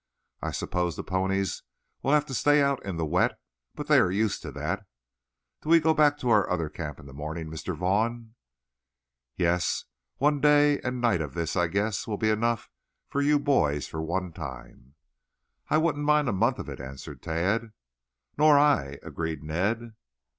"I suppose the ponies will have to stay out in the wet, but they are used to that. Do we go back to our other camp in the morning, Mr. Vaughn?" "Yes. One day and night of this, I guess, will be enough for you boys for one time." "I wouldn't mind a month of it," answered Tad. "Nor I," agreed Ned.